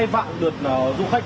hai vạn lượt du khách